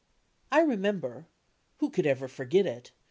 I remember who could ever forget it?